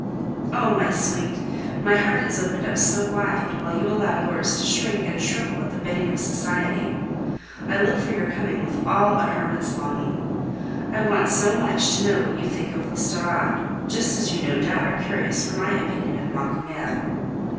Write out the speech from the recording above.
Oh! my sweet, my heart has opened up so wide, while you allow yours to shrink and shrivel at the bidding of society! I look for your coming with all a hermit's longing. I want so much to know what you think of l'Estorade, just as you no doubt are curious for my opinion of Macumer.